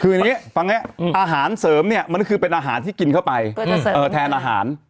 คืออย่างนี้ฟังง่ายอาหารเสริมเนี่ยมันก็คือเป็นอาหารที่กินเข้าไปแทนอาหาร